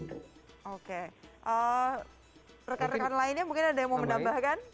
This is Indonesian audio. oke rekan rekan lainnya mungkin ada yang mau menambahkan